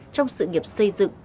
trong sự nghiệp xây dựng